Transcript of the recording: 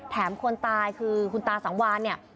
คนตายคือคุณตาสังวานเนี่ย